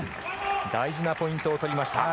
大事なポイントを取りました。